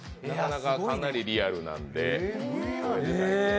なかなか、かなりリアルなんで。